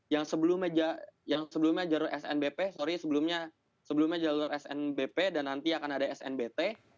yang sebelumnya jalur snbp sorry sebelumnya jalur snbp dan nanti akan ada snbt